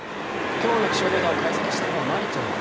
今日の気象データを解析したのは舞ちゃんだ。